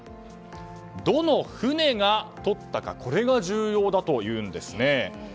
どの船がとったかが重要だというんですね。